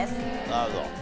なるほど。